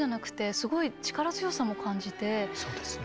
そうですね。